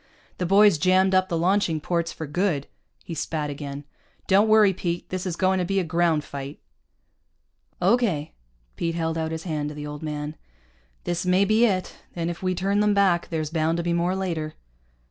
The boys jammed up the launching ports for good." He spat again. "Don't worry, Pete. This is going to be a ground fight." "Okay." Pete held out his hand to the old man. "This may be it. And if we turn them back, there's bound to be more later."